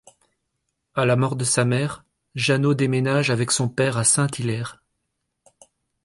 À la mort de sa mère, Janeau déménage avec son père à St-Hilaire.